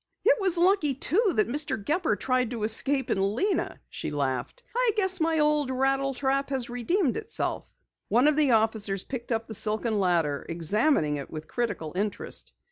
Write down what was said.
"It was lucky, too, that Mr. Gepper tried to escape in Lena," she laughed. "I guess my old rattle trap has redeemed itself." One of the officers picked up the silken ladder, examining it with critical interest.